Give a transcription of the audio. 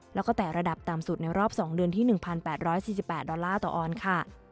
แล้วก็แต่ระดับต่ำสุดในรอบ๒เดือนที่๑๘๔๘ดอลลาร์ต่อออนด์ค่ะ